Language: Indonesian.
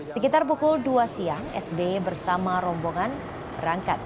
sekitar pukul dua siang sby bersama rombongan berangkat